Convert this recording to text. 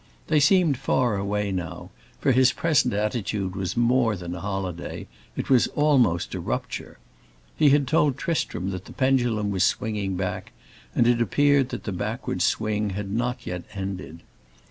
They seemed far away now, for his present attitude was more than a holiday, it was almost a rupture. He had told Tristram that the pendulum was swinging back and it appeared that the backward swing had not yet ended.